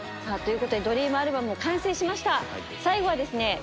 さあということでドリームアルバムも完成しました最後はですね。